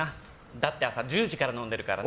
だって朝１０時から飲んでるからね。